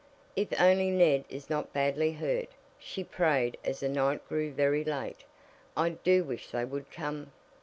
"If only Ned is not badly hurt," she prayed as the night grew very late. "I do wish they would come."